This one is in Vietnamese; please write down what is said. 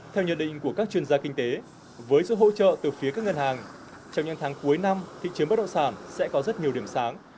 theo nhận định của các chuyên gia kinh tế với sự hỗ trợ từ phía các ngân hàng trong những tháng cuối năm thị trường bất động sản sẽ có rất nhiều điểm sáng